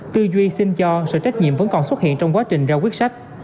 tư duy xin cho sự trách nhiệm vẫn còn xuất hiện trong quá trình ra quyết sách